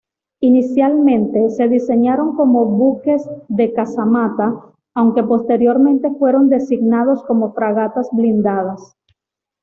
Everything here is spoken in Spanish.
Inicialmente, se diseñaron como buques de casamata, aunque posteriormente fueron designados como fragatas blindadas.